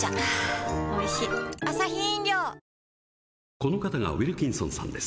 この方がウィルキンソンさんです。